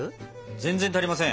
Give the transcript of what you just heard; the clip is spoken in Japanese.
全然足りません。